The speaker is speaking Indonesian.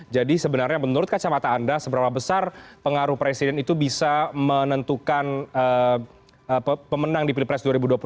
jadi sebenarnya menurut kacamata anda seberapa besar pengaruh presiden itu bisa menentukan pemenang di pilpres dua ribu dua puluh empat